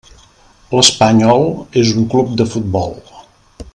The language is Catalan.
L'Espanyol és un club de futbol.